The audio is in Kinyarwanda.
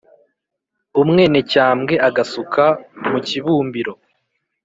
umwénecyambwe agasuka mu kibúmbiro